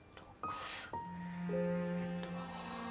えっと。